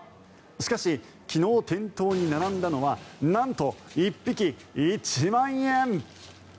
しかし昨日、店頭に並んだのはなんと、１匹１万円！